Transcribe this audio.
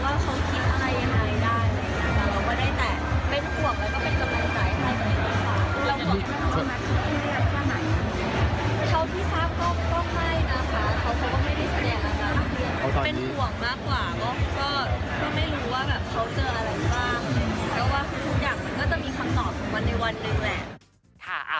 ว่าทุกอย่างมันก็จะมีคำตอบของมันในวันหนึ่งแหละ